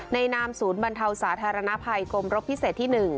นามศูนย์บรรเทาสาธารณภัยกรมรบพิเศษที่๑